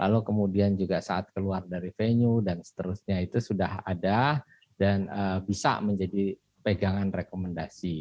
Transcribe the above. lalu kemudian juga saat keluar dari venue dan seterusnya itu sudah ada dan bisa menjadi pegangan rekomendasi